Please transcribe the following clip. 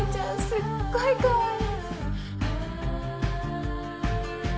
すっごいかわいい！